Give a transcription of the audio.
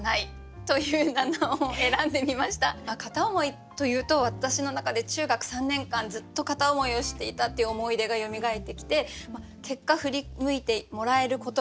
「片思い」というと私の中で中学３年間ずっと片思いをしていたっていう思い出がよみがえってきて結果振り向いてもらえることがなかった。